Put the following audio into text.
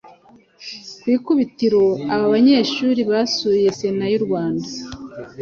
Ku ikubitiro aba banyeshuri basuye sena y’ u Rwanda.